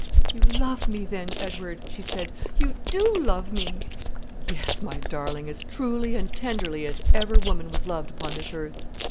"You love me, then, Edward," she cried; "you do love me!" "Yes, my darling, as truly and tenderly as ever woman was loved upon this earth."